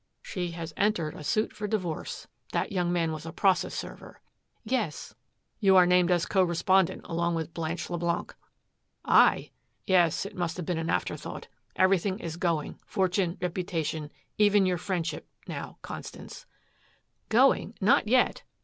"She has entered a suit for divorce. That young man was a process server." "Yes." "You are named as co respondent along with Blanche Leblanc." "I?" "Yes. It must have been an afterthought. Everything is going fortune, reputation even your friendship, now, Constance " "Going? Not yet."